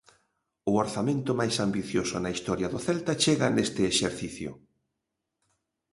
O orzamento máis ambicioso na historia do Celta chega neste exercicio.